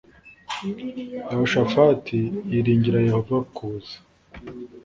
yehoshafati yiringira yehova kuza